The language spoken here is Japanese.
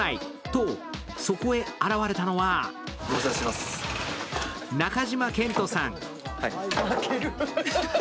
と、そこへ現れたのは中島健人さん。